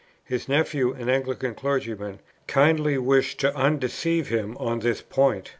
His nephew, an Anglican clergyman, kindly wished to undeceive him on this point.